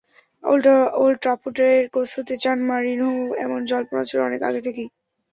Old ট্রাফোর্ডের coach হতে চান মরিনহো, এমন জল্পনা ছিল অনেক আগে থেকেই।